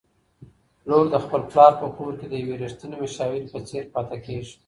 لورد خپل پلار په کور کي د یوې رښتینې مشاورې په څېر پاته کيږي